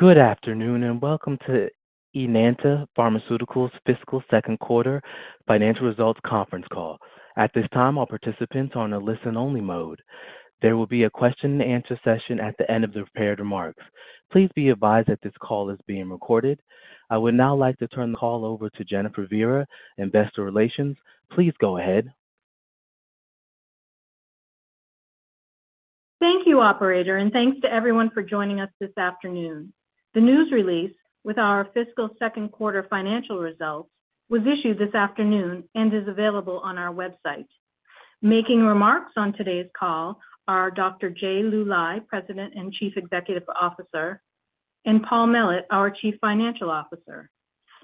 Good afternoon, and welcome to Enanta Pharmaceuticals' fiscal second quarter financial results conference call. At this time, all participants are on a listen-only mode. There will be a question-and-answer session at the end of the prepared remarks. Please be advised that this call is being recorded. I would now like to turn the call over to Jennifer Viera, Investor Relations. Please go ahead. Thank you, Operator, and thanks to everyone for joining us this afternoon. The news release with our fiscal second quarter financial results was issued this afternoon and is available on our website. Making remarks on today's call are Dr. Jay Luly, President and Chief Executive Officer, and Paul Mellett, our Chief Financial Officer.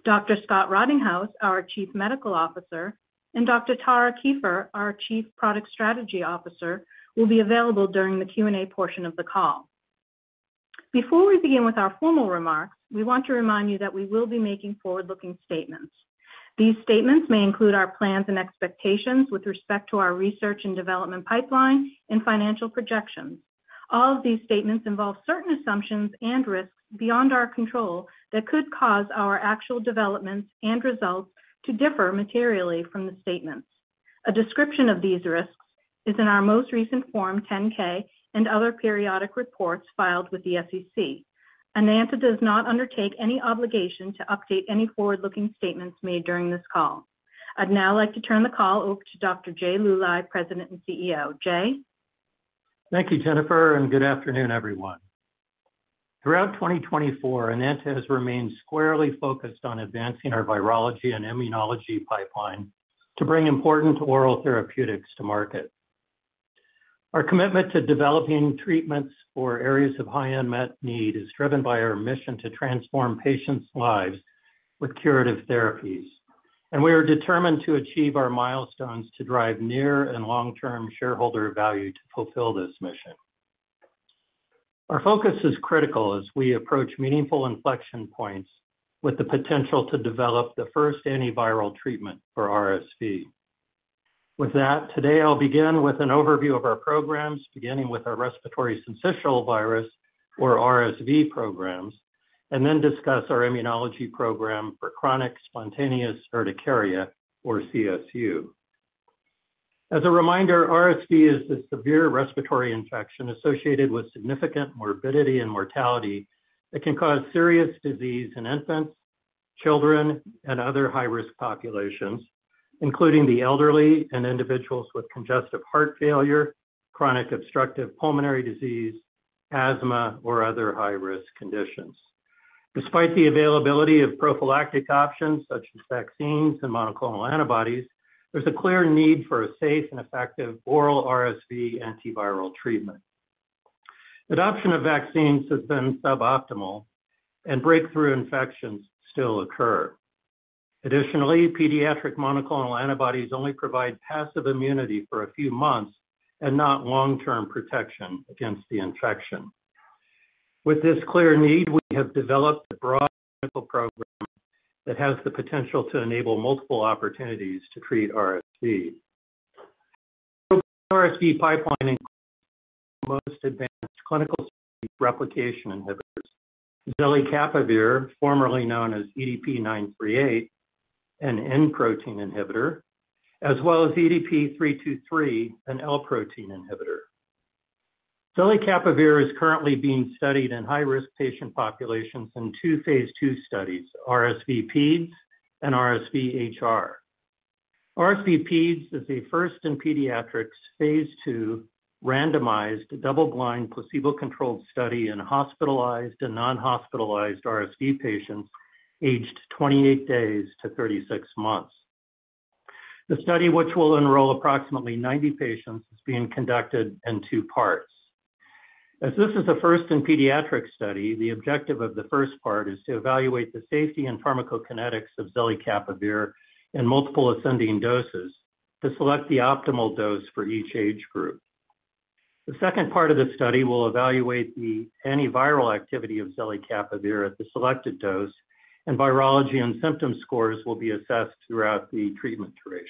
Dr. Scott Rottinghaus, our Chief Medical Officer, and Dr. Tara Kieffer, our Chief Product Strategy Officer, will be available during the Q&A portion of the call. Before we begin with our formal remarks, we want to remind you that we will be making forward-looking statements. These statements may include our plans and expectations with respect to our research and development pipeline and financial projections. All of these statements involve certain assumptions and risks beyond our control that could cause our actual developments and results to differ materially from the statements. A description of these risks is in our most recent Form 10-K and other periodic reports filed with the SEC. Enanta does not undertake any obligation to update any forward-looking statements made during this call. I'd now like to turn the call over to Dr. Jay Luly, President and CEO. Jay? Thank you, Jennifer, and good afternoon, everyone. Throughout 2024, Enanta has remained squarely focused on advancing our virology and immunology pipeline to bring important oral therapeutics to market. Our commitment to developing treatments for areas of high unmet need is driven by our mission to transform patients' lives with curative therapies, and we are determined to achieve our milestones to drive near and long-term shareholder value to fulfill this mission. Our focus is critical as we approach meaningful inflection points with the potential to develop the first antiviral treatment for RSV. With that, today, I'll begin with an overview of our programs, beginning with our respiratory syncytial virus, or RSV, programs, and then discuss our immunology program for chronic spontaneous urticaria, or CSU. As a reminder, RSV is a severe respiratory infection associated with significant morbidity and mortality that can cause serious disease in infants, children, and other high-risk populations, including the elderly and individuals with congestive heart failure, chronic obstructive pulmonary disease, asthma, or other high-risk conditions. Despite the availability of prophylactic options such as vaccines and monoclonal antibodies, there's a clear need for a safe and effective oral RSV antiviral treatment. Adoption of vaccines has been suboptimal, and breakthrough infections still occur. Additionally, pediatric monoclonal antibodies only provide passive immunity for a few months and not long-term protection against the infection. With this clear need, we have developed a broad clinical program that has the potential to enable multiple opportunities to treat RSV. RSV pipeline includes the most advanced clinical replication inhibitors, zelicapavir, formerly known as EDP-938, an N protein inhibitor, as well as EDP-323, an L protein inhibitor. Zelicapavir is currently being studied in high-risk patient populations in two phase II studies, RSV Peds and RSV-HR. RSV Peds is a first-in-pediatrics, phase II randomized, double-blind, placebo-controlled study in hospitalized and non-hospitalized RSV patients aged 28 days to 36 months. The study, which will enroll approximately 90 patients, is being conducted in two parts. As this is the first-in-pediatrics study, the objective of the first part is to evaluate the safety and pharmacokinetics of zelicapavir in multiple ascending doses to select the optimal dose for each age group. The second part of the study will evaluate the antiviral activity of zelicapavir at the selected dose, and virology and symptom scores will be assessed throughout the treatment duration.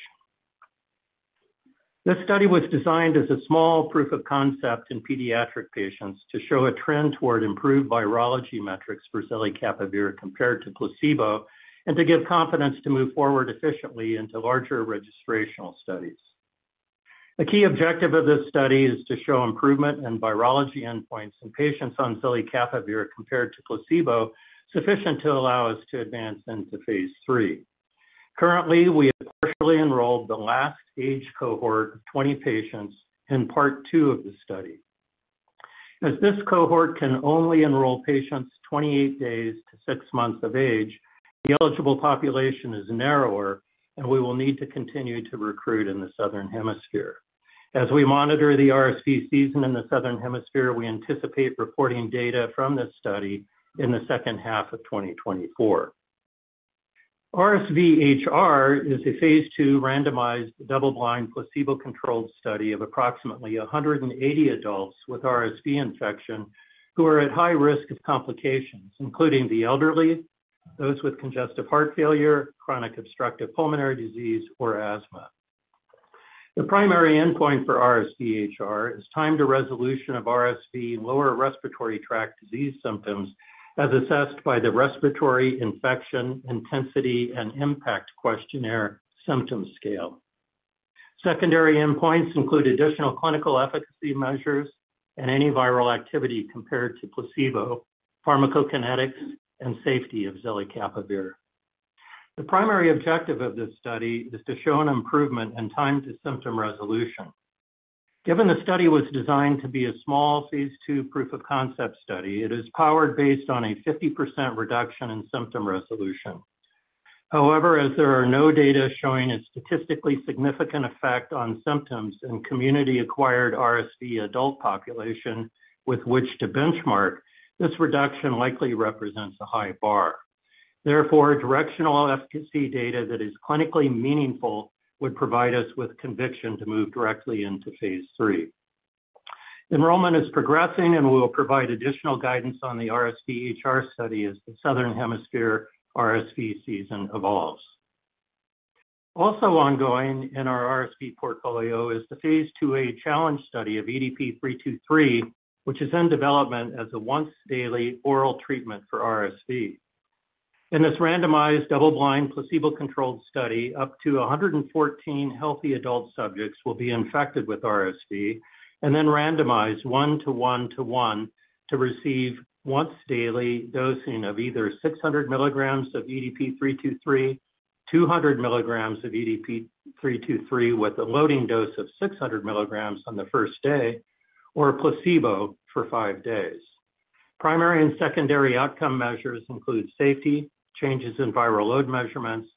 This study was designed as a small proof of concept in pediatric patients to show a trend toward improved virology metrics for zelicapavir compared to placebo and to give confidence to move forward efficiently into larger registrational studies. A key objective of this study is to show improvement in virology endpoints in patients on zelicapavir compared to placebo, sufficient to allow us to advance into phase III. Currently, we have virtually enrolled the last age cohort of 20 patients in part two of the study. As this cohort can only enroll patients 28 days to 6 months of age, the eligible population is narrower, and we will need to continue to recruit in the Southern Hemisphere. As we monitor the RSV season in the Southern Hemisphere, we anticipate reporting data from this study in the second half of 2024. RSV-HR is a phase II randomized, double-blind, placebo-controlled study of approximately 180 adults with RSV infection who are at high risk of complications, including the elderly, those with congestive heart failure, chronic obstructive pulmonary disease, or asthma. The primary endpoint for RSV-HR is time to resolution of RSV lower respiratory tract disease symptoms, as assessed by the Respiratory Infection Intensity and Impact Questionnaire symptom scale. Secondary endpoints include additional clinical efficacy measures and any viral activity compared to placebo, pharmacokinetics, and safety of zelicapavir. The primary objective of this study is to show an improvement in time to symptom resolution. Given the study was designed to be a small phase II proof of concept study, it is powered based on a 50% reduction in symptom resolution. However, as there are no data showing a statistically significant effect on symptoms in community-acquired RSV adult population with which to benchmark, this reduction likely represents a high bar. Therefore, directional efficacy data that is clinically meaningful would provide us with conviction to move directly into phase III. Enrollment is progressing, and we will provide additional guidance on the RSV-HR study as the Southern Hemisphere RSV season evolves. Also ongoing in our RSV portfolio is phase II-A challenge study of EDP-323, which is in development as a once-daily oral treatment for RSV. In this randomized, double-blind, placebo-controlled study, up to 114 healthy adult subjects will be infected with RSV and then randomized one-to-one to one to receive once-daily dosing of either 600 mg of EDP-323, 200 mg of EDP-323, with a loading dose of 600 mg on the first day, or a placebo for five days. Primary and secondary outcome measures include safety, changes in viral load measurements,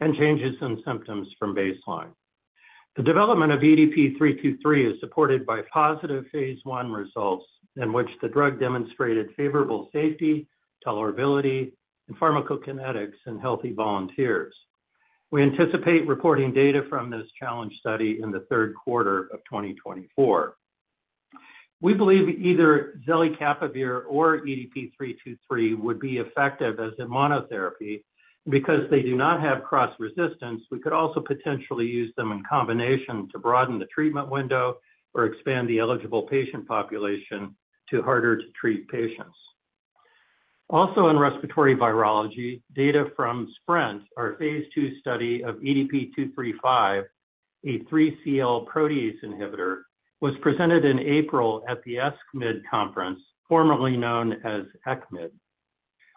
and changes in symptoms from baseline. The development of EDP-323 is supported by positive phase I results, in which the drug demonstrated favorable safety, tolerability, and pharmacokinetics in healthy volunteers. We anticipate reporting data from this challenge study in the third quarter of 2024. We believe either zelicapavir or EDP-323 would be effective as a monotherapy. Because they do not have cross resistance, we could also potentially use them in combination to broaden the treatment window or expand the eligible patient population to harder-to-treat patients. Also, in respiratory virology, data from SPRINT, our phase II study of EDP-235, a 3CL protease inhibitor, was presented in April at the ESCMID Conference, formerly known as ECCMID.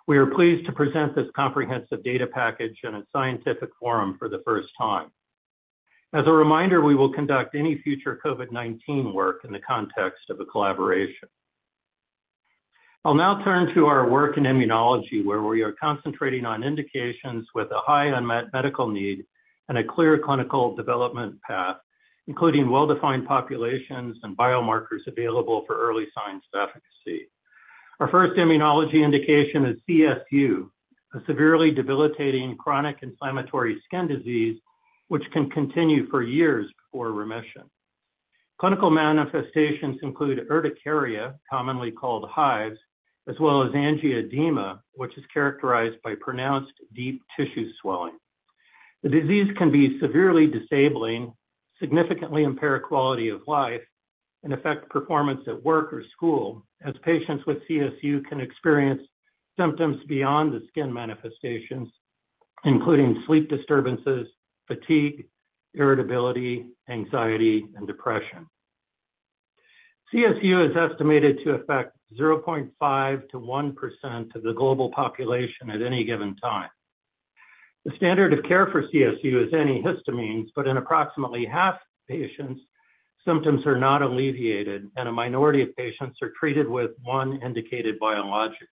We are pleased to present this comprehensive data package in a scientific forum for the first time. As a reminder, we will conduct any future COVID-19 work in the context of a collaboration. I'll now turn to our work in immunology, where we are concentrating on indications with a high unmet medical need and a clear clinical development path, including well-defined populations and biomarkers available for early signs of efficacy. Our first immunology indication is CSU, a severely debilitating chronic inflammatory skin disease, which can continue for years before remission. Clinical manifestations include urticaria, commonly called hives, as well as angioedema, which is characterized by pronounced deep tissue swelling. The disease can be severely disabling, significantly impair quality of life, and affect performance at work or school, as patients with CSU can experience symptoms beyond the skin manifestations, including sleep disturbances, fatigue, irritability, anxiety, and depression. CSU is estimated to affect 0.5%-1% of the global population at any given time. The standard of care for CSU is antihistamines, but in approximately half the patients, symptoms are not alleviated, and a minority of patients are treated with one indicated biologic.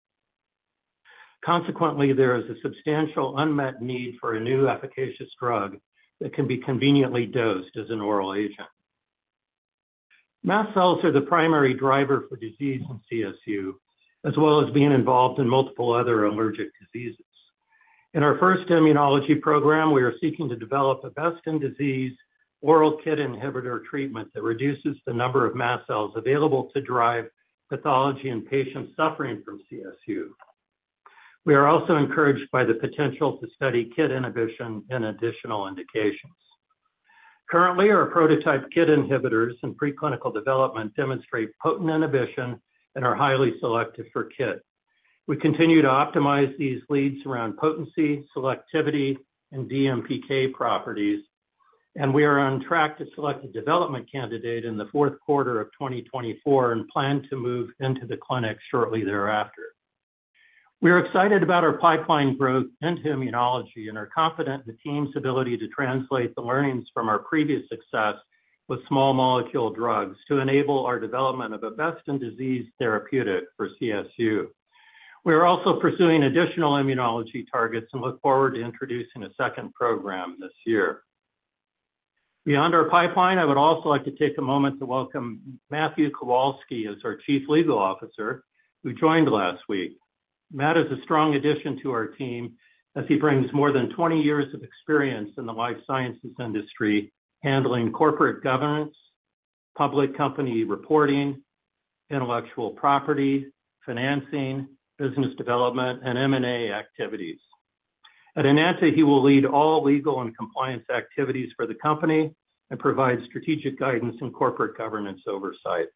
Consequently, there is a substantial unmet need for a new efficacious drug that can be conveniently dosed as an oral agent. Mast cells are the primary driver for disease in CSU, as well as being involved in multiple other allergic diseases. In our first immunology program, we are seeking to develop a best-in-disease oral KIT inhibitor treatment that reduces the number of mast cells available to drive pathology in patients suffering from CSU. We are also encouraged by the potential to study KIT inhibition in additional indications. Currently, our prototype KIT inhibitors in preclinical development demonstrate potent inhibition and are highly selective for KIT. We continue to optimize these leads around potency, selectivity, and DMPK properties, and we are on track to select a development candidate in the fourth quarter of 2024, and plan to move into the clinic shortly thereafter. We are excited about our pipeline growth into immunology and are confident in the team's ability to translate the learnings from our previous success with small molecule drugs to enable our development of a best-in-disease therapeutic for CSU. We are also pursuing additional immunology targets and look forward to introducing a second program this year. Beyond our pipeline, I would also like to take a moment to welcome Matthew Kowalsky as our Chief Legal Officer, who joined last week. Matt is a strong addition to our team as he brings more than 20 years of experience in the life sciences industry, handling corporate governance, public company reporting, intellectual property, financing, business development, and M&A activities. At Enanta, he will lead all legal and compliance activities for the company and provide strategic guidance and corporate governance oversight.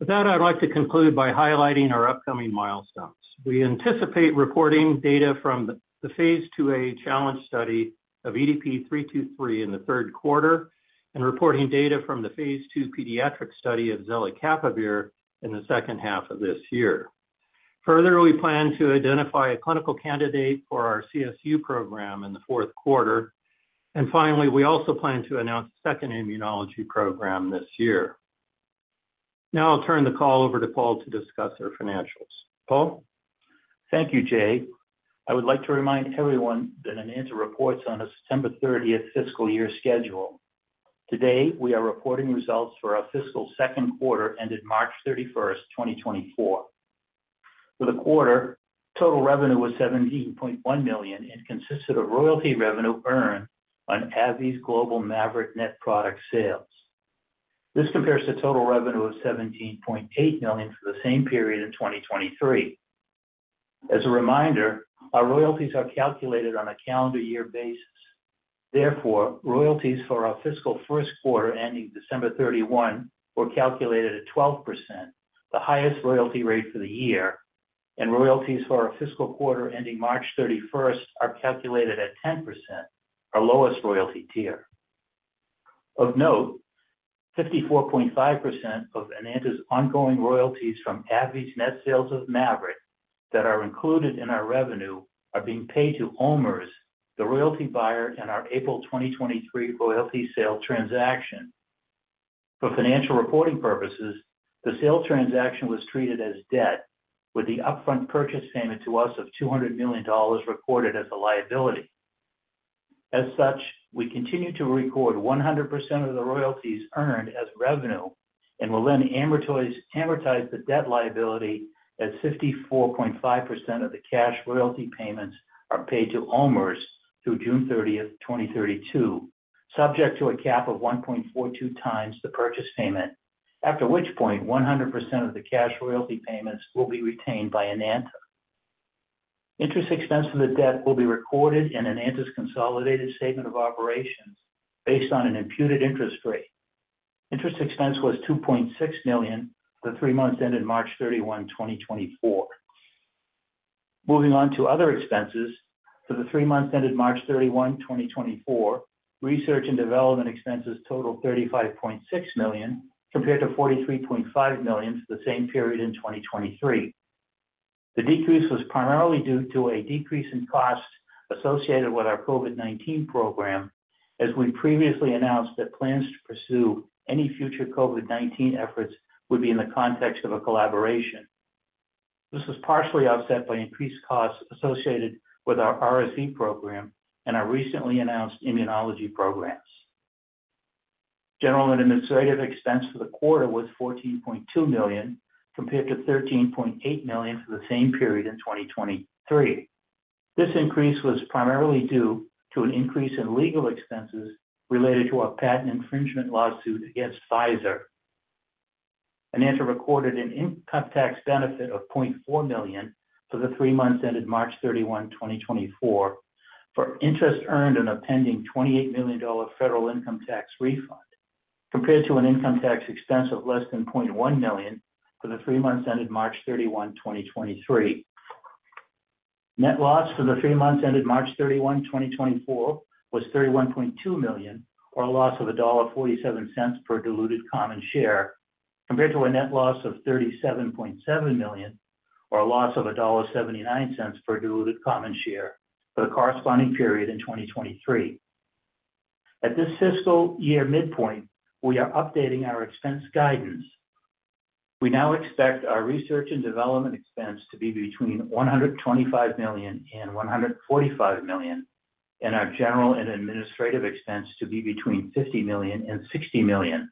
With that, I'd like to conclude by highlighting our upcoming milestones. We anticipate reporting data from the phase II A challenge study of EDP-323 in the third quarter and reporting data from the phase II pediatric study of zelicapavir in the second half of this year. Further, we plan to identify a clinical candidate for our CSU program in the fourth quarter. And finally, we also plan to announce a second immunology program this year. Now I'll turn the call over to Paul to discuss our financials. Paul? Thank you, Jay. I would like to remind everyone that Enanta reports on a September 30th fiscal year schedule. Today, we are reporting results for our fiscal second quarter, ended March 31st, 2024. For the quarter, total revenue was $17.1 million and consisted of royalty revenue earned on AbbVie's global Mavyret net product sales. This compares to total revenue of $17.8 million for the same period in 2023. As a reminder, our royalties are calculated on a calendar year basis. Therefore, royalties for our fiscal first quarter, ending December 31, were calculated at 12%, the highest royalty rate for the year, and royalties for our fiscal quarter, ending March 31st, are calculated at 10%, our lowest royalty tier. Of note, 54.5% of Enanta's ongoing royalties from AbbVie's net sales of Mavyret that are included in our revenue are being paid to OMERS, the royalty buyer in our April 2023 royalty sale transaction. For financial reporting purposes, the sale transaction was treated as debt, with the upfront purchase payment to us of $200 million recorded as a liability. As such, we continue to record 100% of the royalties earned as revenue and will then amortize the debt liability at 54.5% of the cash royalty payments are paid to OMERS through June 30, 2032, subject to a cap of 1.42x the purchase payment, after which point 100% of the cash royalty payments will be retained by Enanta. Interest expense for the debt will be recorded in Enanta's consolidated statement of operations based on an imputed interest rate. Interest expense was $2.6 million for the three months ended March 31, 2024. Moving on to other expenses. For the three months ended March 31, 2024, research and development expenses totaled $35.6 million, compared to $43.5 million for the same period in 2023. The decrease was primarily due to a decrease in costs associated with our COVID-19 program, as we previously announced that plans to pursue any future COVID-19 efforts would be in the context of a collaboration. This was partially offset by increased costs associated with our RSV program and our recently announced immunology programs. General and administrative expense for the quarter was $14.2 million, compared to $13.8 million for the same period in 2023. This increase was primarily due to an increase in legal expenses related to a patent infringement lawsuit against Pfizer. Enanta recorded an income tax benefit of $0.4 million for the three months ended March 31, 2024, for interest earned on a pending $28 million federal income tax refund, compared to an income tax expense of less than $0.1 million for the three months ended March 31, 2023. Net loss for the three months ended March 31, 2024, was $31.2 million, or a loss of $1.47 per diluted common share, compared to a net loss of $37.7 million, or a loss of $1.79 per diluted common share for the corresponding period in 2023. At this fiscal year midpoint, we are updating our expense guidance. We now expect our research and development expense to be between $125 million and $145 million, and our general and administrative expense to be between $50 million and $60 million.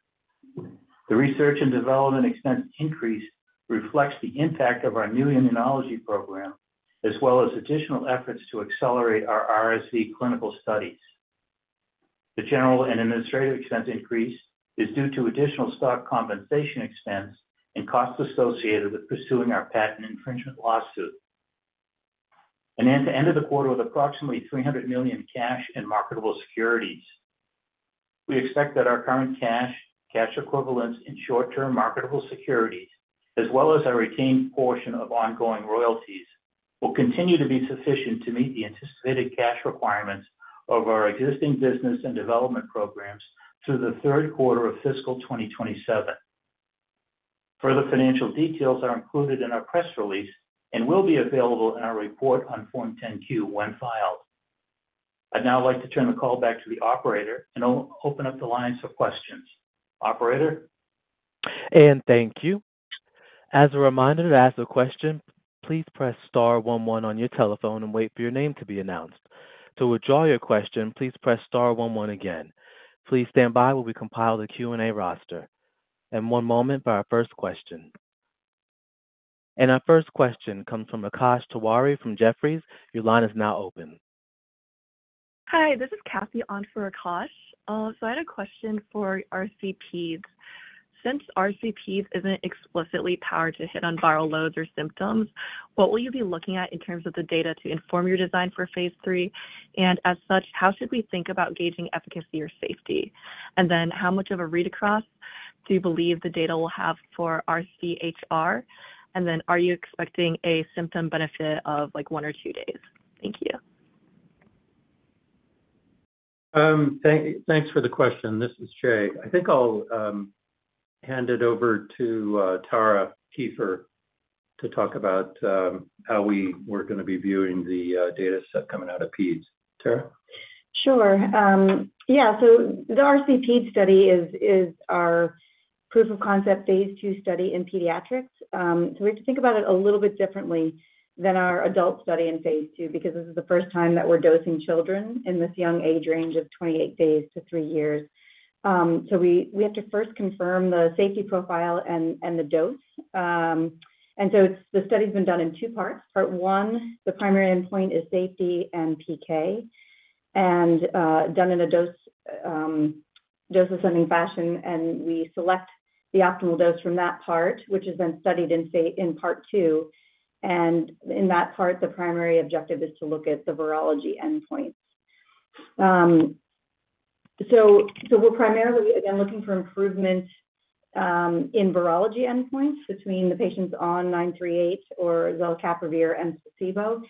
The research and development expense increase reflects the impact of our new immunology program, as well as additional efforts to accelerate our RSV clinical studies. The general and administrative expense increase is due to additional stock compensation expense and costs associated with pursuing our patent infringement lawsuit. Enanta ended the quarter with approximately $300 million cash and marketable securities. We expect that our current cash, cash equivalents, and short-term marketable securities, as well as our retained portion of ongoing royalties, will continue to be sufficient to meet the anticipated cash requirements of our existing business and development programs through the third quarter of fiscal 2027. Further financial details are included in our press release and will be available in our report on Form 10-Q when filed. I'd now like to turn the call back to the operator and open up the lines for questions. Operator? And thank you. As a reminder, to ask a question, please press star one one on your telephone and wait for your name to be announced. To withdraw your question, please press star one one again. Please stand by while we compile the Q&A roster. And one moment for our first question. And our first question comes from Akash Tewari from Jefferies. Your line is now open. Hi, this is Kathy on for Akash. So I had a question for RCPs. Since RCPs isn't explicitly powered to hit on viral loads or symptoms, what will you be looking at in terms of the data to inform your design for phase III? And as such, how should we think about gauging efficacy or safety? And then how much of a read-across do you believe the data will have for RCHR? And then are you expecting a symptom benefit of, like, one or two days? Thank you. Thanks for the question. This is Jay. I think I'll hand it over to Tara Kieffer to talk about how we're gonna be viewing the data set coming out of Peds. Tara? Sure. Yeah, so the RCP study is our proof of concept phase II study in pediatrics. So we have to think about it a little bit differently than our adult study in phase II, because this is the first time that we're dosing children in this young age range of 28 days to three years. So we have to first confirm the safety profile and the dose. And so it's the study's been done in two parts. Part one, the primary endpoint is safety and PK, and done in a dose-escalating fashion, and we select the optimal dose from that part, which is then studied in part two. In that part, the primary objective is to look at the virology endpoint. So, so we're primarily, again, looking for improvement in virology endpoints between the patients on EDP-938 or zelicapavir and placebo,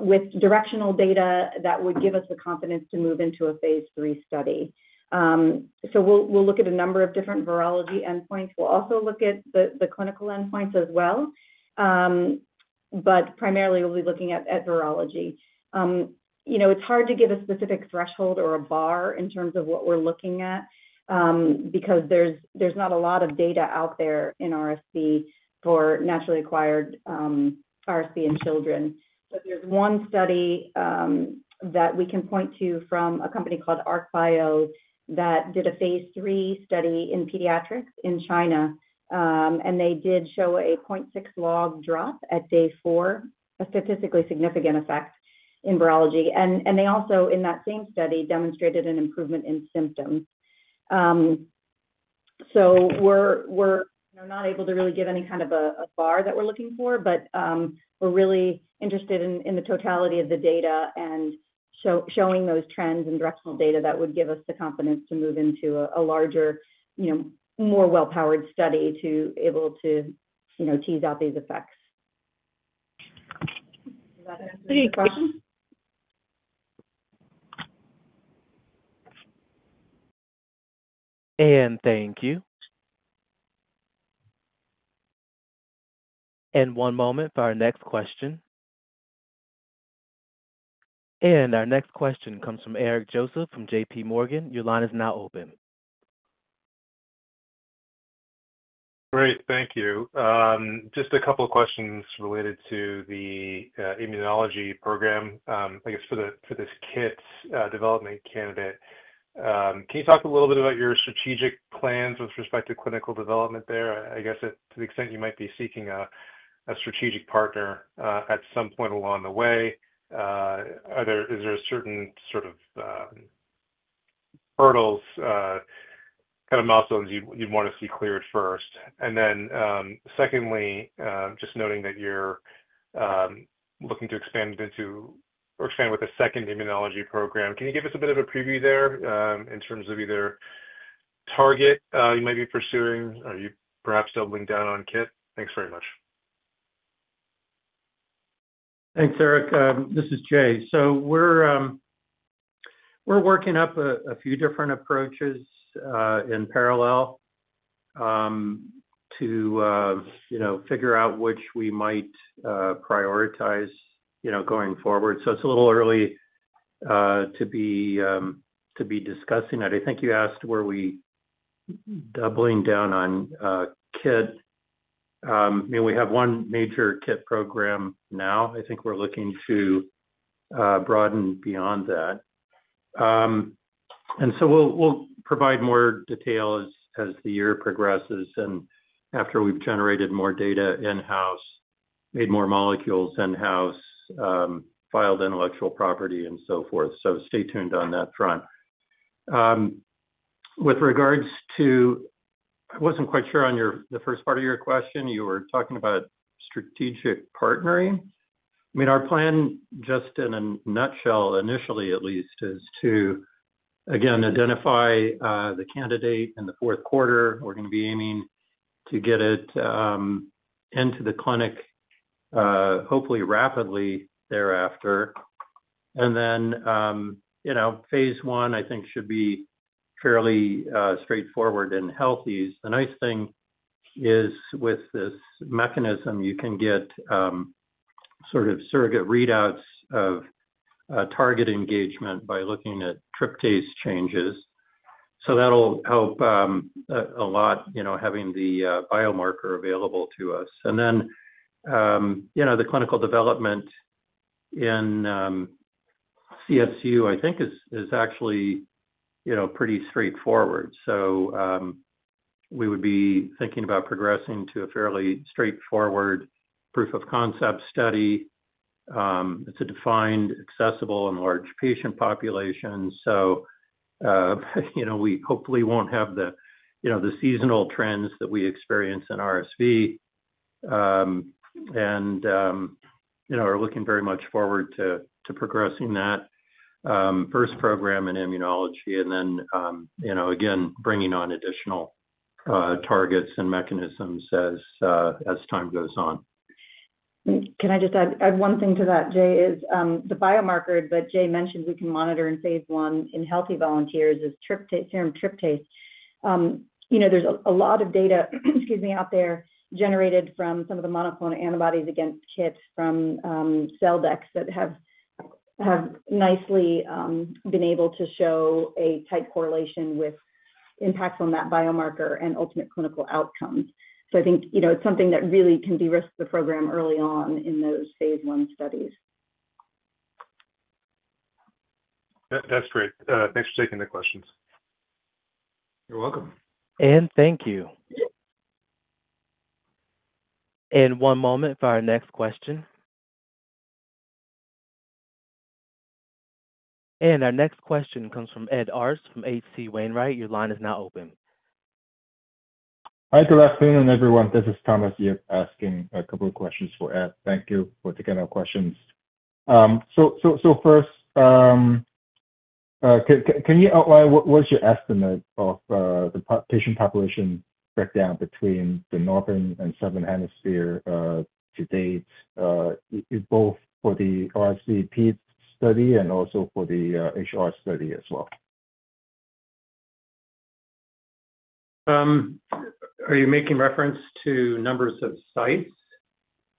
with directional data that would give us the confidence to move into a phase III study. So we'll, we'll look at a number of different virology endpoints. We'll also look at the clinical endpoints as well. But primarily, we'll be looking at virology. You know, it's hard to give a specific threshold or a bar in terms of what we're looking at, because there's, there's not a lot of data out there in RSV for naturally acquired RSV in children. But there's one study that we can point to from a company called ArkBio, that did a phase III study in pediatrics in China. And they did show a 0.6 log drop at day four, a statistically significant effect in virology. And they also, in that same study, demonstrated an improvement in symptoms. So we're, you know, not able to really give any kind of a bar that we're looking for, but we're really interested in the totality of the data and showing those trends and directional data that would give us the confidence to move into a larger, you know, more well-powered study to able, you know, tease out these effects. Does that answer your question? Thank you. One moment for our next question. Our next question comes from Eric Joseph from JP Morgan. Your line is now open. Great. Thank you. Just a couple of questions related to the immunology program, I guess, for this KIT development candidate. Can you talk a little bit about your strategic plans with respect to clinical development there? I guess, to the extent you might be seeking a strategic partner at some point along the way, are there-- is there a certain sort of hurdles kind of milestones you'd want to see cleared first? And then, secondly, just noting that you're looking to expand into or expand with a second immunology program. Can you give us a bit of a preview there, in terms of either target you might be pursuing? Are you perhaps doubling down on KIT? Thanks very much. Thanks, Eric. This is Jay. So we're working up a few different approaches in parallel to, you know, figure out which we might prioritize, you know, going forward. So it's a little early to be discussing that. I think you asked, were we doubling down on KIT? I mean, we have one major KIT program now. I think we're looking to broaden beyond that. And so we'll provide more detail as the year progresses and after we've generated more data in-house, made more molecules in-house, filed intellectual property, and so forth. So stay tuned on that front. With regards to... I wasn't quite sure on your, the first part of your question, you were talking about strategic partnering. I mean, our plan, just in a nutshell, initially at least, is to, again, identify the candidate in the fourth quarter. We're gonna be aiming to get it into the clinic, hopefully rapidly thereafter. And then, you know, phase I, I think, should be fairly straightforward and healthy. The nice thing is, with this mechanism, you can get sort of surrogate readouts of target engagement by looking at tryptase changes. So that'll help a lot, you know, having the biomarker available to us. And then, you know, the clinical development in CSU, I think is actually, you know, pretty straightforward. So we would be thinking about progressing to a fairly straightforward proof of concept study. It's a defined, accessible, and large patient population. So, you know, we hopefully won't have the, you know, the seasonal trends that we experience in RSV. And, you know, are looking very much forward to progressing that first program in immunology and then, you know, again, bringing on additional targets and mechanisms as time goes on. Can I just add one thing to that, Jay, is the biomarker that Jay mentioned we can monitor in phase I in healthy volunteers is tryptase, serum tryptase. You know, there's a lot of data, excuse me, out there generated from some of the monoclonal antibodies against KIT from Celldex that have nicely been able to show a tight correlation with impacts on that biomarker and ultimate clinical outcomes. So I think, you know, it's something that really can de-risk the program early on in those phase I studies. That's great. Thanks for taking the questions. You're welcome. Thank you. One moment for our next question. Our next question comes from Ed Arce from H.C. Wainwright. Your line is now open. Hi, good afternoon, everyone. This is Thomas Yip asking a couple of questions for Ed. Thank you for taking our questions. So first, can you outline what's your estimate of the patient population breakdown between the Northern and Southern Hemisphere to date, both for the RSV peds study and also for the HR study as well? Are you making reference to numbers of sites?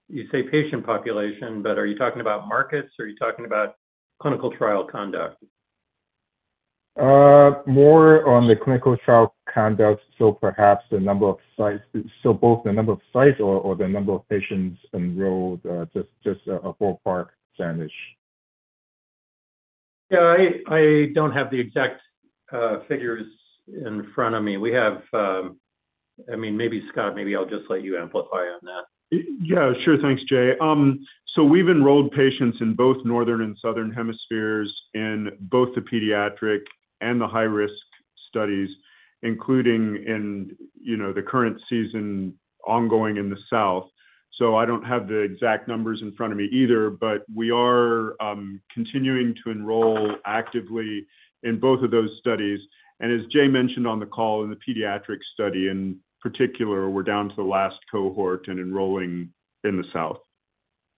You say patient population, but are you talking about markets, or are you talking about clinical trial conduct? More on the clinical trial conduct, so perhaps the number of sites. So both the number of sites or the number of patients enrolled, just a ballpark vantage. Yeah, I don't have the exact figures in front of me. We have... I mean, maybe Scott, maybe I'll just let you amplify on that. Yeah, sure. Thanks, Jay. So we've enrolled patients in both Northern and Southern Hemispheres in both the pediatric and the high-risk studies, including in, you know, the current season ongoing in the South. So I don't have the exact numbers in front of me either, but we are continuing to enroll actively in both of those studies. And as Jay mentioned on the call, in the pediatric study, in particular, we're down to the last cohort and enrolling in the South.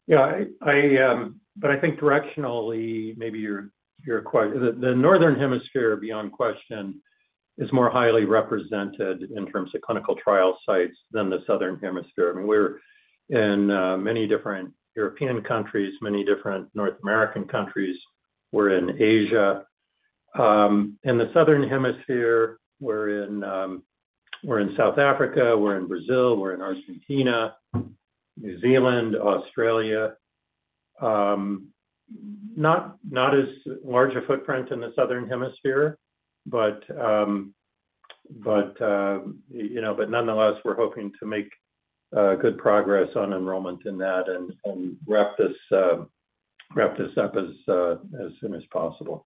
Yeah, but I think directionally, maybe your question, the Northern Hemisphere, beyond question, is more highly represented in terms of clinical trial sites than the Southern Hemisphere. I mean, we're in many different European countries, many different North American countries. We're in Asia. In the Southern Hemisphere, we're in South Africa, we're in Brazil, we're in Argentina, New Zealand, Australia. Not as large a footprint in the Southern Hemisphere, but you know, but nonetheless, we're hoping to make good progress on enrollment in that and wrap this up as soon as possible.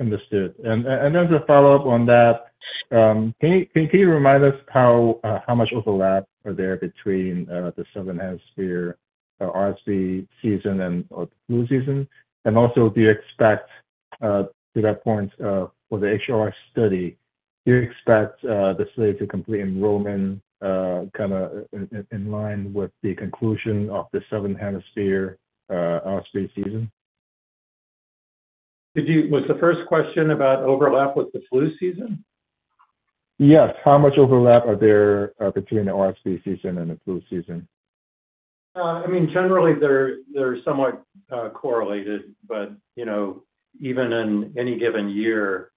Understood. And as a follow-up on that, can you remind us how much overlap are there between the Southern Hemisphere RSV season and flu season? And also, do you expect, to that point, for the HR study, do you expect the study to complete enrollment kind of in line with the conclusion of the Southern Hemisphere RSV season? Was the first question about overlap with the flu season? Yes. How much overlap are there between the RSV season and the flu season? I mean, generally, they're somewhat correlated, but, you know, even in any given year,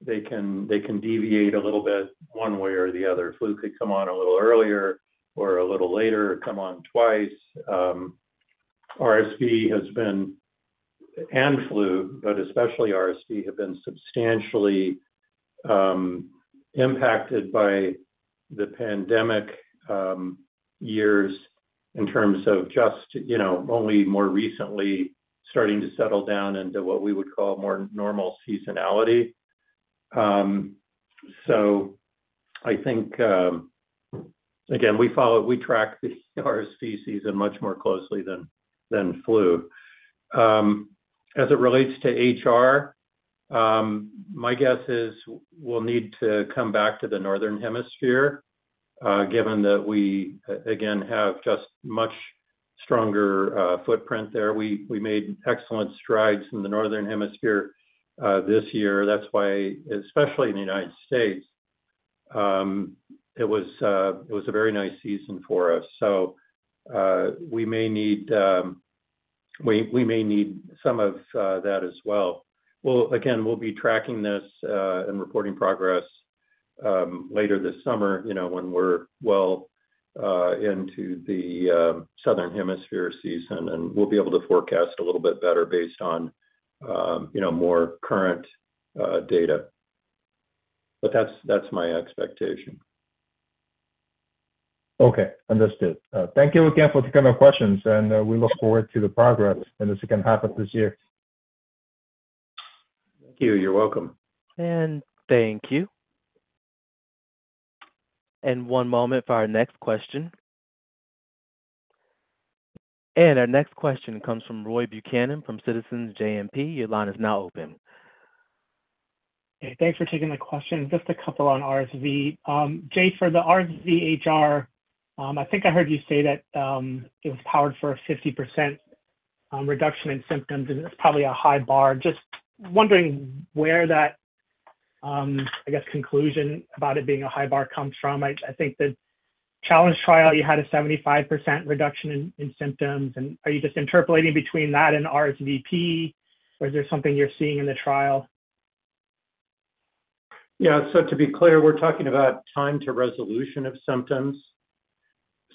they can deviate a little bit one way or the other. Flu could come on a little earlier or a little later, come on twice. RSV has been, and flu, but especially RSV, have been substantially impacted by the pandemic years in terms of just, you know, only more recently starting to settle down into what we would call more normal seasonality. So I think, again, we follow, we track the RSV season much more closely than flu. As it relates to HR, my guess is we'll need to come back to the Northern Hemisphere, given that we, again, have just much stronger footprint there. We made excellent strides in the Northern Hemisphere this year. That's why, especially in the United States, it was, it was a very nice season for us. So, we may need, we, we may need some of that as well. We'll, again, we'll be tracking this, and reporting progress, later this summer, you know, when we're well into the Southern Hemisphere season, and we'll be able to forecast a little bit better based on, you know, more current data. But that's, that's my expectation. Okay, understood. Thank you again for taking our questions, and we look forward to the progress in the second half of this year. Thank you. You're welcome. Thank you. One moment for our next question. Our next question comes from Roy Buchanan from Citizens JMP. Your line is now open. Hey, thanks for taking my question. Just a couple on RSV. Jay, for the RSV-HR, I think I heard you say that it was powered for a 50% reduction in symptoms, and it's probably a high bar. Just wondering where that, I guess, conclusion about it being a high bar comes from. I think the challenge trial, you had a 75% reduction in symptoms. And are you just interpolating between that and RSV-P, or is there something you're seeing in the trial? Yeah, so to be clear, we're talking about time to resolution of symptoms,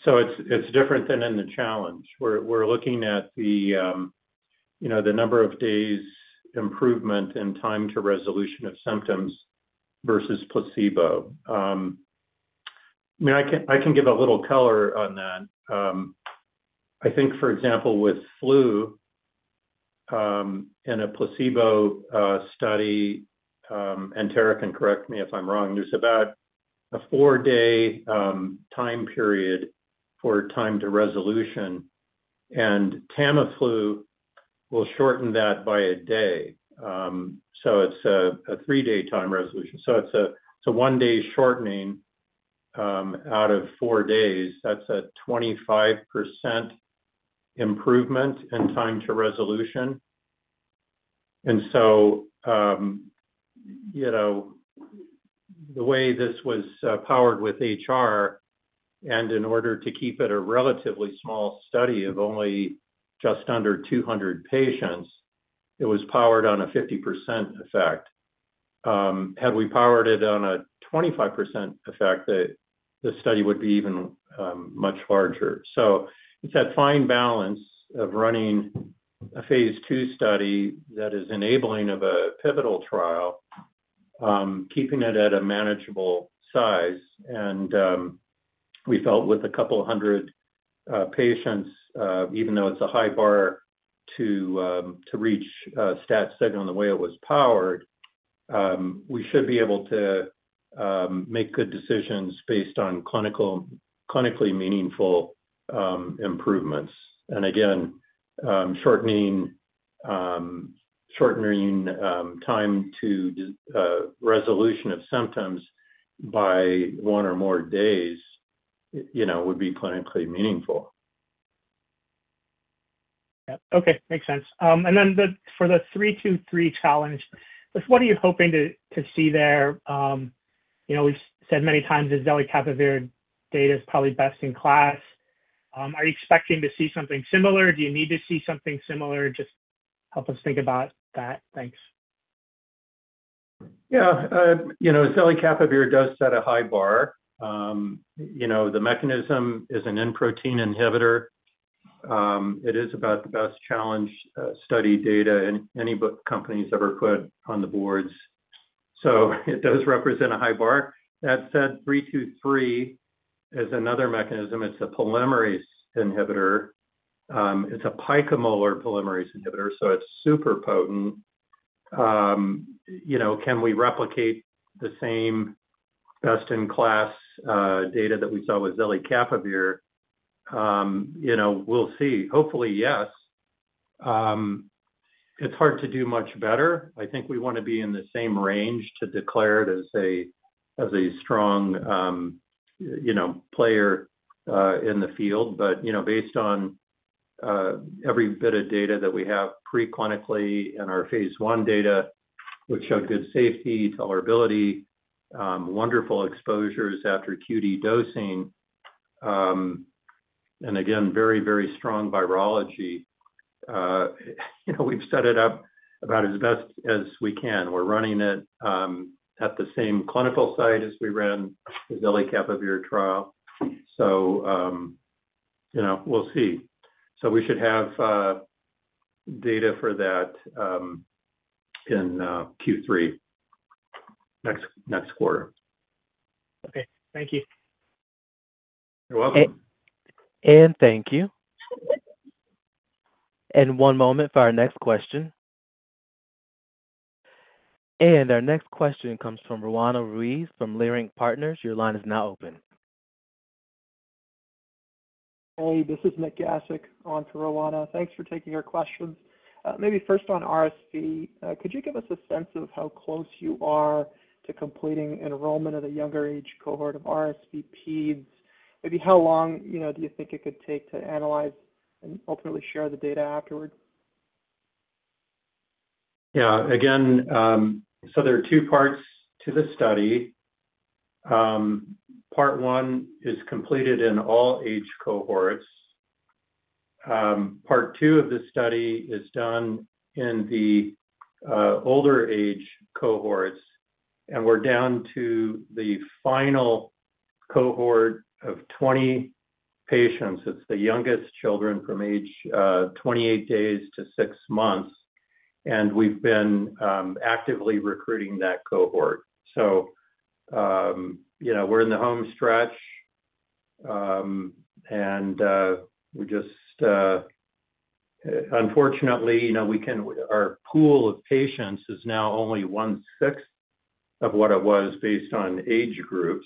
so it's different than in the challenge. We're looking at the, you know, the number of days improvement in time to resolution of symptoms versus placebo. I mean, I can give a little color on that. I think, for example, with flu, in a placebo study, and Tara can correct me if I'm wrong, there's about a four-day time period for time to resolution, and Tamiflu will shorten that by a day. So it's a three-day time resolution. So it's a one-day shortening out of four days. That's a 25% improvement in time to resolution. You know, the way this was powered with HR and in order to keep it a relatively small study of only just under 200 patients, it was powered on a 50% effect. Had we powered it on a 25% effect, the, the study would be even much larger. So it's that fine balance of running a phase II study that is enabling of a pivotal trial, keeping it at a manageable size. We felt with a couple hundred patients, even though it's a high bar to to reach stat signal on the way it was powered, we should be able to make good decisions based on clinical- clinically meaningful improvements. Again, shortening time to resolution of symptoms by one or more days, you know, would be clinically meaningful. Yeah. Okay. Makes sense. And then the, for the EDP-323 challenge, just what are you hoping to, to see there? You know, we've said many times the zelicapavir data is probably best in class. Are you expecting to see something similar? Do you need to see something similar? Just help us think about that. Thanks. Yeah, you know, zelicapavir does set a high bar. You know, the mechanism is an N protein inhibitor. It is about the best challenge study data in any book companies ever put on the boards. So it does represent a high bar. That said, EDP-323 is another mechanism. It's a polymerase inhibitor. It's a picomolar polymerase inhibitor, so it's super potent. You know, can we replicate the same best-in-class data that we saw with zelicapavir? You know, we'll see. Hopefully, yes. It's hard to do much better. I think we wanna be in the same range to declare it as a, as a strong, you know, player in the field. But, you know, based on, every bit of data that we have pre-clinically in our phase I data, which showed good safety, tolerability, wonderful exposures after QD dosing, and again, very, very strong virology. You know, we've set it up about as best as we can. We're running it, at the same clinical site as we ran the zelicapavir trial. So, you know, we'll see. So we should have, data for that, in, Q3. Next, next quarter. Okay. Thank you. You're welcome. Thank you. One moment for our next question. Our next question comes from Roanna Ruiz from Leerink Partners. Your line is now open. Hey, this is Nik Gasic on for Roanna. Thanks for taking our questions. Maybe first on RSV, could you give us a sense of how close you are to completing enrollment of the younger age cohort of RSVP? Maybe how long, you know, do you think it could take to analyze and ultimately share the data afterward? Yeah. Again, so there are two parts to the study. Part one is completed in all age cohorts. Part two of this study is done in the older age cohorts, and we're down to the final cohort of 20 patients. It's the youngest children from age 28 days to six months, and we've been actively recruiting that cohort. So, you know, we're in the home stretch, and we just unfortunately, you know, we can- our pool of patients is now only 1/6 of what it was based on age groups,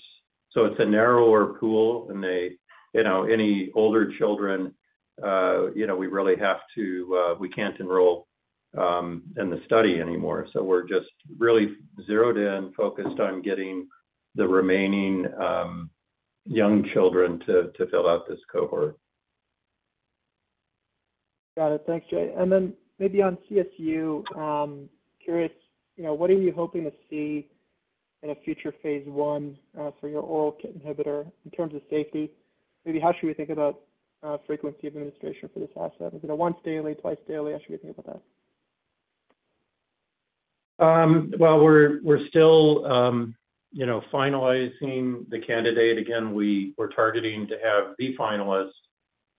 so it's a narrower pool, and they, you know, any older children, you know, we really have to, we can't enroll in the study anymore. So we're just really zeroed in, focused on getting the remaining young children to fill out this cohort. Got it. Thanks, Jay. And then maybe on CSU, curious, you know, what are you hoping to see in a future phase I, for your oral KIT inhibitor in terms of safety? Maybe how should we think about, frequency of administration for this asset? Is it a once daily, twice daily, how should we think about that? Well, we're still, you know, finalizing the candidate. Again, we're targeting to have the finalist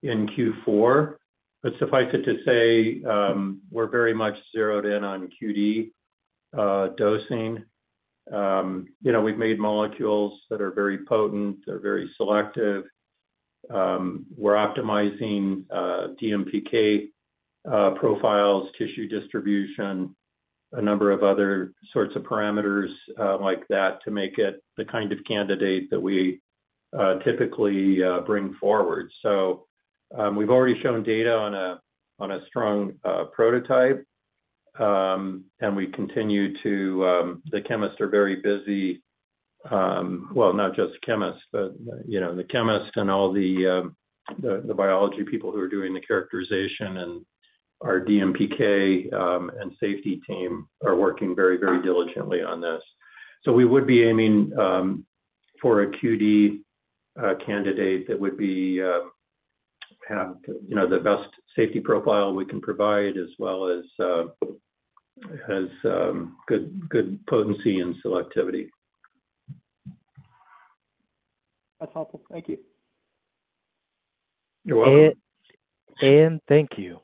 in Q4. But suffice it to say, we're very much zeroed in on QD dosing. You know, we've made molecules that are very potent, they're very selective. We're optimizing DMPK profiles, tissue distribution, a number of other sorts of parameters like that, to make it the kind of candidate that we typically bring forward. So, we've already shown data on a strong prototype, and we continue to, the chemists are very busy. Well, not just chemists, but, you know, the chemists and all the, the biology people who are doing the characterization and our DMPK and safety team are working very, very diligently on this. So we would be aiming for a QD candidate that would have, you know, the best safety profile we can provide, as well as has good potency and selectivity. That's helpful. Thank you. You're welcome. Thank you.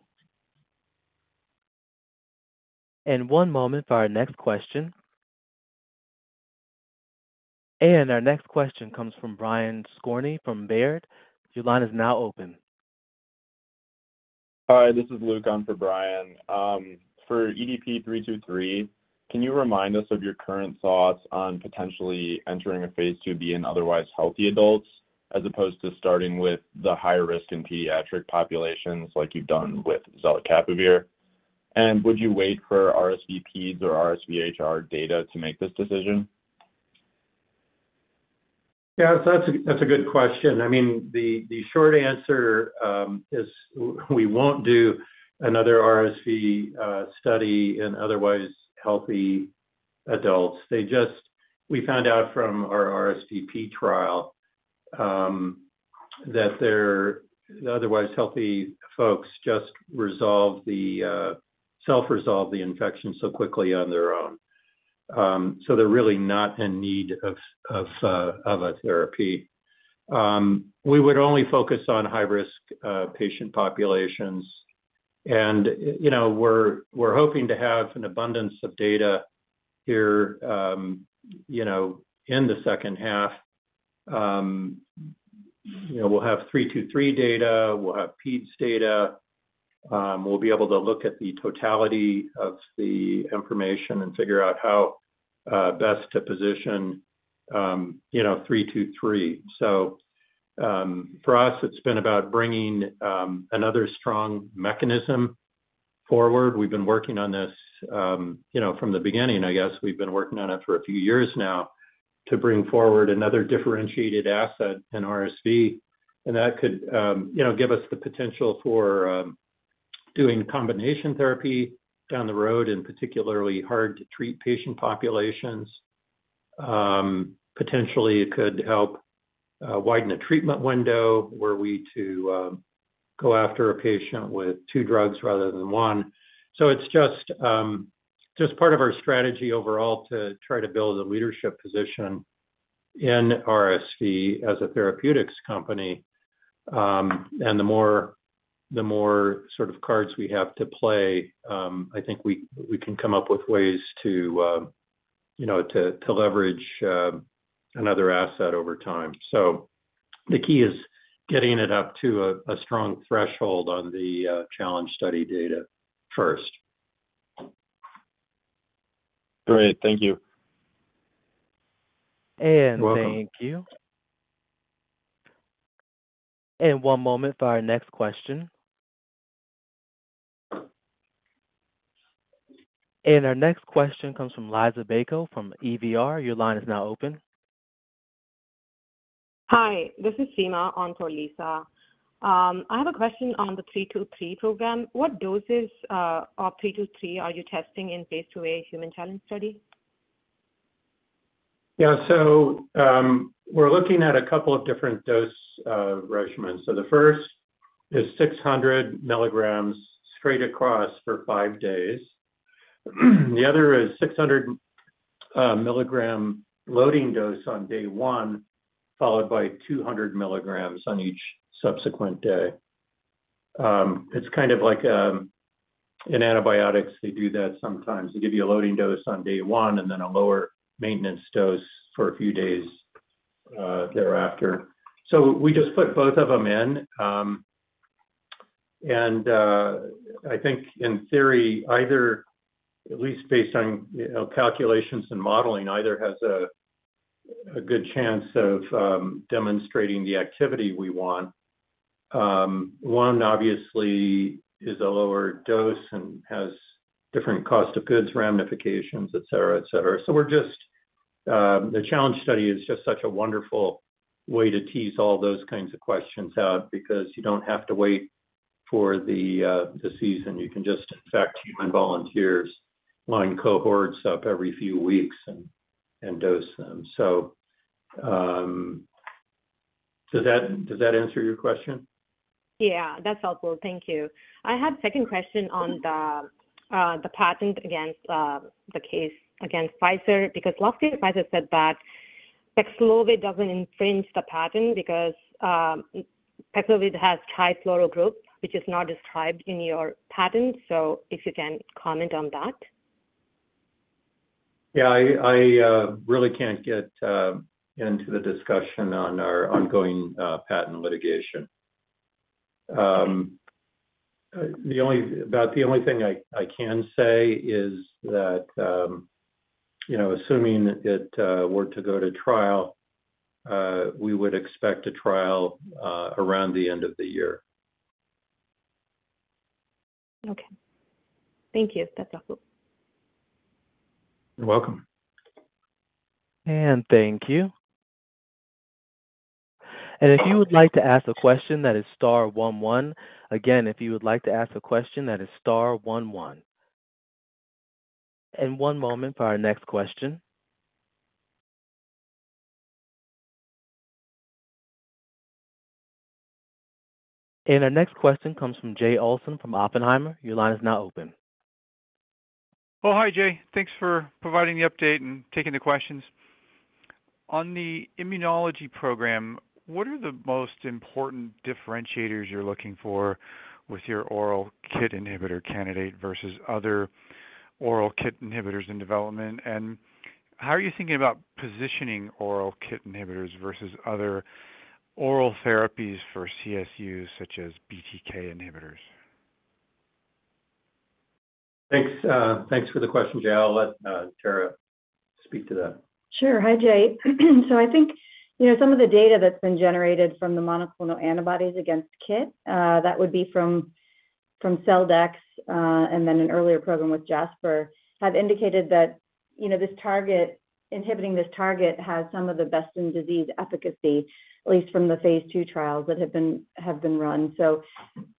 One moment for our next question. Our next question comes from Brian Skorney from Baird. Your line is now open. Hi, this is Luke. I'm for Brian. For EDP-323, can you remind us of your current thoughts on potentially entering phase II-B in otherwise healthy adults, as opposed to starting with the higher risk in pediatric populations like you've done with zelicapavir? Would you wait for RSVPs or RSVHR data to make this decision? Yeah, that's a good question. I mean, the short answer is we won't do another RSV study in otherwise healthy adults. They just. We found out from our RSVP trial that they're otherwise healthy folks just resolve the self-resolve the infection so quickly on their own. So they're really not in need of a therapy. We would only focus on high-risk patient populations. And, you know, we're hoping to have an abundance of data here, you know, in the second half. You know, we'll have EDP-323 data, we'll have Peds data. We'll be able to look at the totality of the information and figure out how best to position, you know, EDP-323. So, for us, it's been about bringing another strong mechanism forward. We've been working on this, you know, from the beginning, I guess. We've been working on it for a few years now, to bring forward another differentiated asset in RSV, and that could, you know, give us the potential for, doing combination therapy down the road in particularly hard to treat patient populations. Potentially, it could help, widen the treatment window, were we to, go after a patient with two drugs rather than one. So it's just, just part of our strategy overall to try to build a leadership position in RSV as a therapeutics company. And the more, the more sort of cards we have to play, I think we, we can come up with ways to, you know, to, to leverage, another asset over time. The key is getting it up to a strong threshold on the challenge study data first. Great. Thank you. Thank you. You're welcome. One moment for our next question. Our next question comes from Liisa Bayko, from EVR. Your line is now open. Hi, this is Sima on for Liisa. I have a question on the EDP-323 program. What doses of EDP-323 are you testing in phase II, a human challenge study?... Yeah, so, we're looking at a couple of different dose regimens. So the first is 600 mg straight across for 5 days. The other is 600 mg loading dose on day one, followed by 200 mg on each subsequent day. It's kind of like, in antibiotics, they do that sometimes. They give you a loading dose on day one and then a lower maintenance dose for a few days thereafter. So we just put both of them in. And, I think in theory, either at least based on, you know, calculations and modeling, either has a good chance of demonstrating the activity we want. One obviously is a lower dose and has different cost of goods ramifications, et cetera, et cetera. So we're just, the challenge study is just such a wonderful way to tease all those kinds of questions out, because you don't have to wait for the season. You can just infect human volunteers, line cohorts up every few weeks and dose them. So, does that, does that answer your question? Yeah, that's helpful. Thank you. I had second question on the patent case against Pfizer, because last year, Pfizer said that Paxlovid doesn't infringe the patent because Paxlovid has trifluoro group, which is not described in your patent. So if you can comment on that. Yeah, I really can't get into the discussion on our ongoing patent litigation. The only thing I can say is that, you know, assuming it were to go to trial, we would expect a trial around the end of the year. Okay. Thank you. That's helpful. You're welcome. Thank you. If you would like to ask a question, that is star one one. Again, if you would like to ask a question, that is star one one. One moment for our next question. Our next question comes from Jay Olson from Oppenheimer. Your line is now open. Well, hi, Jay. Thanks for providing the update and taking the questions. On the immunology program, what are the most important differentiators you're looking for with your oral KIT inhibitor candidate versus other oral KIT inhibitors in development? And how are you thinking about positioning oral KIT inhibitors versus other oral therapies for CSUs, such as BTK inhibitors? Thanks, thanks for the question, Jay. I'll let Tara speak to that. Sure. Hi, Jay. So I think, you know, some of the data that's been generated from the monoclonal antibodies against KIT, that would be from, from Celldex, and then an earlier program with Jasper, have indicated that, you know, this target, inhibiting this target has some of the best-in-disease efficacy, at least from the phase II trials that have been, have been run. So,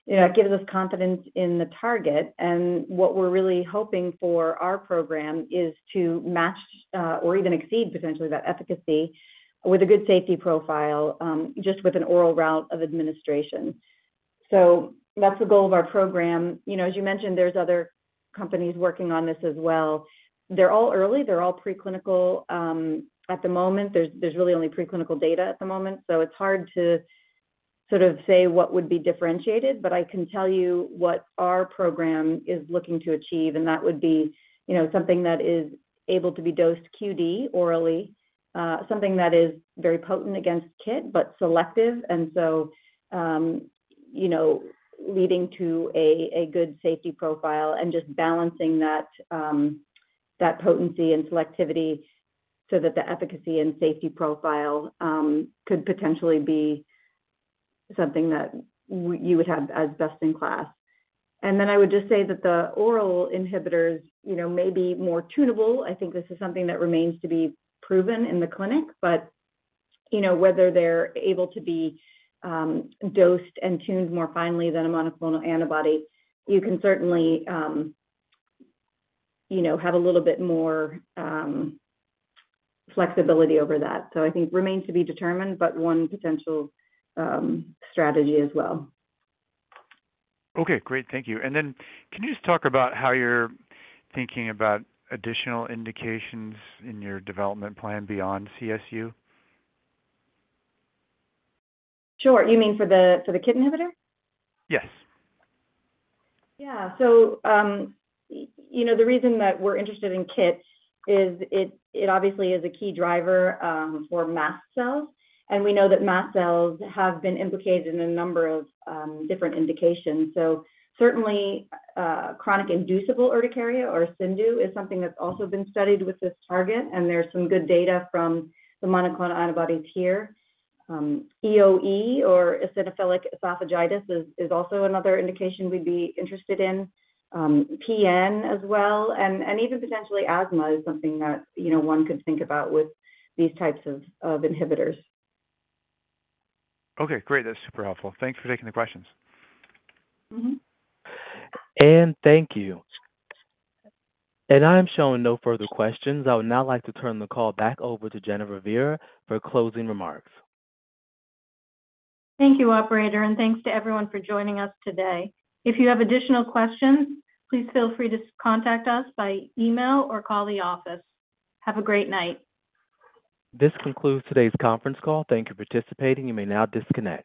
you know, it gives us confidence in the target, and what we're really hoping for our program is to match, or even exceed potentially that efficacy with a good safety profile, just with an oral route of administration. So that's the goal of our program. You know, as you mentioned, there's other companies working on this as well. They're all early, they're all preclinical, at the moment. There's really only preclinical data at the moment, so it's hard to sort of say what would be differentiated, but I can tell you what our program is looking to achieve, and that would be, you know, something that is able to be dosed QD orally, something that is very potent against KIT, but selective, and so, you know, leading to a good safety profile and just balancing that, that potency and selectivity so that the efficacy and safety profile could potentially be something that you would have as best in class. Then I would just say that the oral inhibitors, you know, may be more tunable. I think this is something that remains to be proven in the clinic, but, you know, whether they're able to be dosed and tuned more finely than a monoclonal antibody, you can certainly, you know, have a little bit more flexibility over that. So I think remains to be determined, but one potential strategy as well. Okay, great. Thank you. And then can you just talk about how you're thinking about additional indications in your development plan beyond CSU? Sure. You mean for the KIT inhibitor? Yes. Yeah. So, you know, the reason that we're interested in KIT is it obviously is a key driver for mast cells, and we know that mast cells have been implicated in a number of different indications. So certainly chronic inducible urticaria or CIndU is something that's also been studied with this target, and there's some good data from the monoclonal antibodies here. EoE or eosinophilic esophagitis is also another indication we'd be interested in. PN as well, and even potentially asthma is something that, you know, one could think about with these types of inhibitors. Okay, great. That's super helpful. Thanks for taking the questions. Mm-hmm. Thank you. I'm showing no further questions. I would now like to turn the call back over to Jennifer Viera for closing remarks. Thank you, operator, and thanks to everyone for joining us today. If you have additional questions, please feel free to contact us by email or call the office. Have a great night. This concludes today's conference call. Thank you for participating. You may now disconnect.